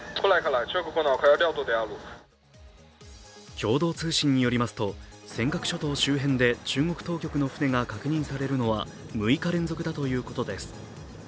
共同通信によりますと尖閣諸島周辺で中国当局の船が確認されるのは６日連続だということです。